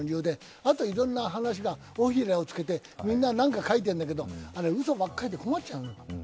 あといろいろな話が尾ひれを付けて、みんな何か書いてるんだけど、あれ、うそばっかりで困っちゃうよ。